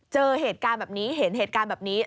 เจอเหตุการณ์แบบนี้เห็นเหตุการณ์แบบนี้